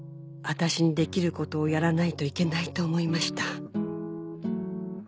私にできることをやらないといけないと思いました」